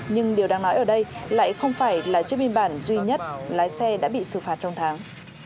nhưng điều đang nói ở đây lại không phải là chiếc biên bản duy nhất lái xe đã bị xử phạt trong tháng